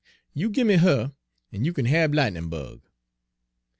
You gimme her, en you kin hab Lightnin' Bug.'